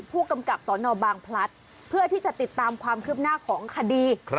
ผู้กำกับสนบางพลัดเพื่อที่จะติดตามความคืบหน้าของคดี